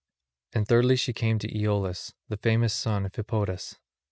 And thirdly she came to Aeolus, the famous son of Hippotas.